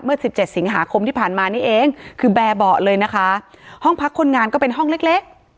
สิบเจ็ดสิงหาคมที่ผ่านมานี่เองคือแบร์เบาะเลยนะคะห้องพักคนงานก็เป็นห้องเล็กเล็ก